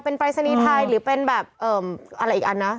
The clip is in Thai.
เป็นปรายศนีย์ไทยหรือเป็นแบบอะไรอีกอันนะ